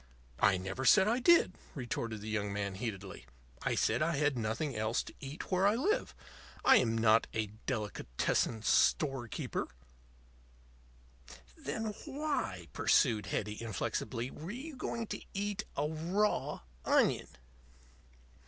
"I never said I did," retorted the young man, heatedly. "I said I had nothing else to eat where I live. I am not a delicatessen store keeper." "Then why," pursued Hetty, inflexibly, "were you going to eat a raw onion?"